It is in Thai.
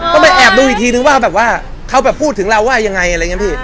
ต้องไปแอบดูต่อหน้าตัวเขาพูดถึงเรายังไง